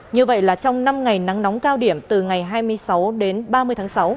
như vậy là trong năm ngày nắng nóng cao điểm từ ngày hai mươi sáu đến ba mươi tháng sáu